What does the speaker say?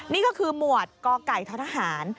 นี่ก็คือหมวดกไก่ททหาร